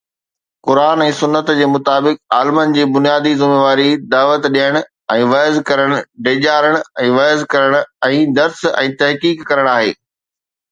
قرآن ۽ سنت جي مطابق عالمن جي بنيادي ذميواري دعوت ڏيڻ ۽ وعظ ڪرڻ، ڊيڄارڻ ۽ وعظ ڪرڻ ۽ درس ۽ تحقيق ڪرڻ آهي.